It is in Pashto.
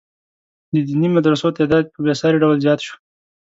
د دیني مدرسو تعداد په بې ساري ډول زیات شو.